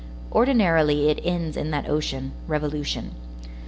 Ordinarily it ends in that ocean: revolution.